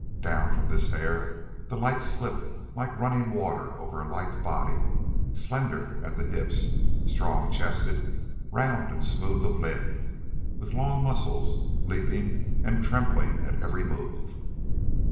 Down from this hair the light slipped like running water over a lithe body, slender at the hips, strong chested, round and smooth of limb, with long muscles leaping and trembling at every move.